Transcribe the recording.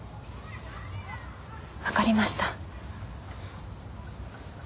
わかりました。